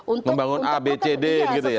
untuk membangun abcd gitu ya